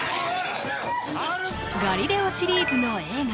「ガリレオ」シリーズの映画